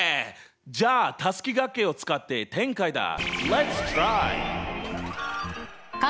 じゃあたすきがけを使って展開だ！